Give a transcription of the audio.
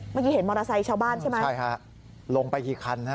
เมื่อกี้เห็นมอเตอร์ไซค์ชาวบ้านใช่ไหมใช่ฮะลงไปกี่คันฮะ